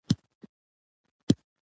زده کړه ښځه د کورنۍ اقتصادي پریکړې کوي.